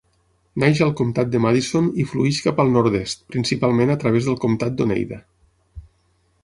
Neix al comtat de Madison i flueix cap al nord-est, principalment a través del comtat d"Oneida.